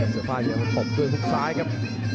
สาภาอย่าตดตอบด้วยทุกซ้ายครับ